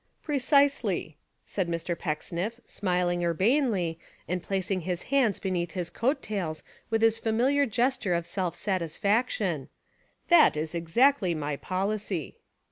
"Precisely," said Mr. Pecksniff, smiling ur banely and placing his hands beneath his coat tails with his familiar gesture of self satisfac tion, "that Is exactly my policy."